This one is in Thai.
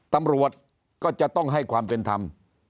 ตำรวจก็จะต้องให้ความเป็นธรรม